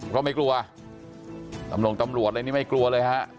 ก็ไม่กลัวตำลังตำรวจเลยนะไม่กลัวเลยฮะ